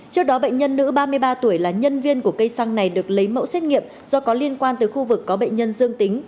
trước đó bệnh nhân nữ ba mươi ba tuổi là nhân viên của cây xăng này được lấy mẫu xét nghiệm do có liên quan tới khu vực có bệnh nhân dương tính